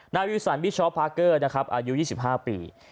วิวสันวิชอปพาร์เกอร์นะครับอายุ๒๕ปี